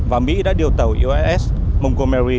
và mỹ đã điều tàu uss montgomery